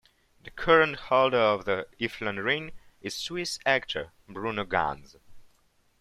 The current holder of the Iffland-Ring is Swiss actor Bruno Ganz.